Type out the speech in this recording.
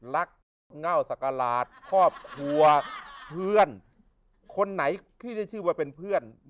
รักเง่าสักกระหลาดครอบครัวเพื่อนคนไหนที่ได้ชื่อว่าเป็นเพื่อน